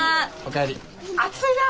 暑いな。